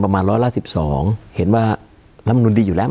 การแสดงความคิดเห็น